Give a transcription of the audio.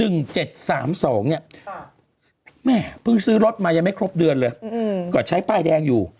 แม่เพิ่งซื้อรถมายังไม่ครบเดือนเลยก็ใช้ป้ายแดงอยู่